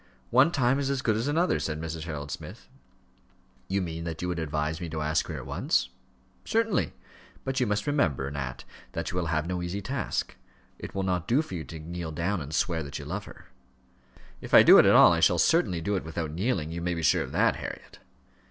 "One time is as good as another," said Mrs. Harold Smith. "You mean that you would advise me to ask her at once." "Certainly. But you must remember, Nat, that you will have no easy task. It will not do for you to kneel down and swear that you love her." "If I do it at all, I shall certainly do it without kneeling you may be sure of that, Harriet."